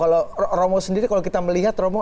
kalau romo sendiri kalau kita melihat romo